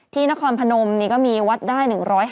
นครพนมนี่ก็มีวัดได้๑๕๐